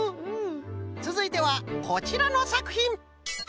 つづいてはこちらのさくひん。